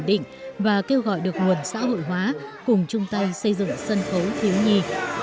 định và kêu gọi được nguồn xã hội hóa cùng chung tay xây dựng sân khấu thiếu nhi